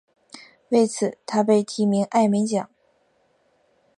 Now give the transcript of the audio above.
为此他被提名艾美奖。